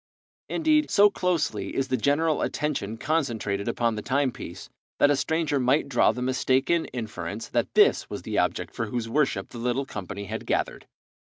Indeed, so closely is the general attention concentrated upon the time piece, that a stranger might draw the mistaken inference that this was the object for whose worship the little company had gathered.